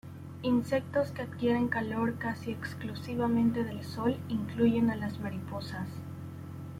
Insectos que adquieren calor casi exclusivamente del sol incluyen a las mariposas.